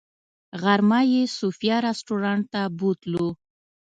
غرمه یې صوفیا رسټورانټ ته بوتلو.